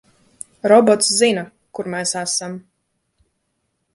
Robots zina, kur mēs esam.